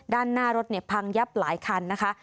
ด้านหน้ารถเนี่ยพังยับหลายคันนะคะ